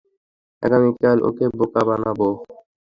আগামীকাল ওকে বোকা বানাবো।